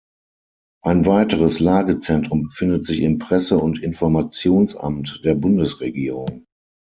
Ein weiteres Lagezentrum befindet sich im Presse- und Informationsamt der Bundesregierung.